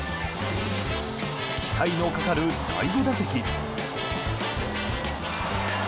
期待のかかる第５打席。